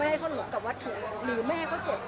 ไม่ให้เขาหลบกับวัตถุหรือไม่ให้เขาเจ็บป่วย